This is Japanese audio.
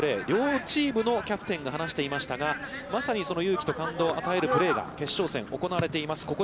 両チームのキャプテンが話していましたが、まさに勇気と感動を与えるプレーが決勝戦、行われています。